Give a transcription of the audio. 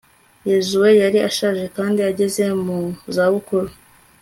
yozuwe yari ashaje kandi ageze mu zabukuru